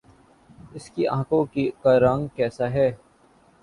اس کی آنکھوں کا رنگ کیسا ہے